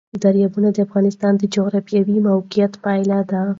دریابونه د افغانستان د جغرافیایي موقیعت پایله ده.